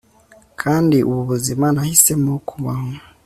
kandi ubu buzima nahisemo kubaho